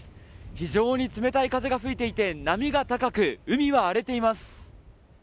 非常に冷たい風が吹いていて波が高く海は荒れています。